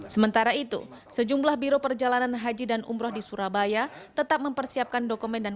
sementara itu sejumlah biro perjalanan haji dan umroh di surabaya tetap mempersiapkan dokumen dan